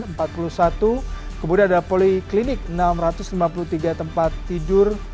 serta ada unit rawat jalan empat puluh satu kemudian ada poliklinik enam ratus lima puluh tiga tempat tidur